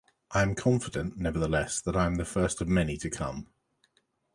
I am confident, nevertheless, that I am the first of many to come.